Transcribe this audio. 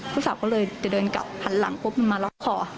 ผู้สาวก็เลยจะเดินกลับหันหลังปุ๊บมันมาล็อกคอ